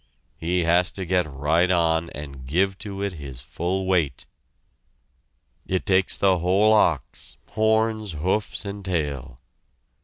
He has to get right on, and give to it his full weight. It takes the whole ox, horns, hoofs and tail.